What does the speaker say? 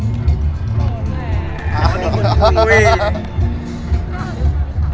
โศสภ์แหละ